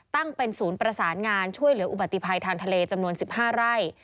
ตั้งเป็นศูนย์ประสานงานช่วยเหลืออุบัติภัยทางทะเลจำนวน๑๕ไร่